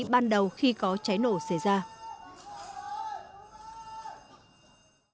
ban đầu khi có cháy nổ xảy ra